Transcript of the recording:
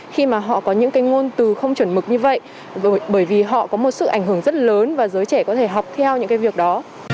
khi mà họ có những cái ngôn từ không chuẩn mực như vậy bởi vì họ có một sự ảnh hưởng rất lớn và giới trẻ có thể học theo những cái việc đó